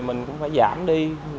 mình cũng phải giảm đi